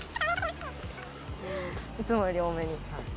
いつもより多めに。